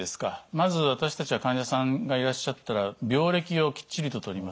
まず私たちは患者さんがいらっしゃったら病歴をきっちりと取ります。